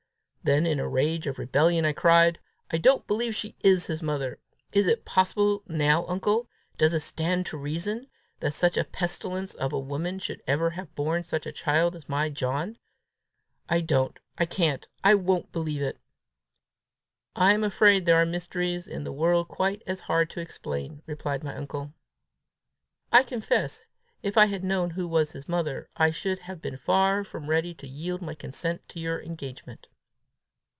Then in a rage of rebellion I cried, "I don't believe she is his mother! Is it possible now, uncle does it stand to reason, that such a pestilence of a woman should ever have borne such a child as my John? I don't, I can't, I won't believe it!" "I am afraid there are mysteries in the world quite as hard to explain!" replied my uncle. "I confess, if I had known who was his mother, I should have been far from ready to yield my consent to your engagement."